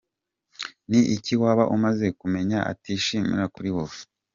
com: Ni iki waba umaze kumenya atishimira kuri wowe?.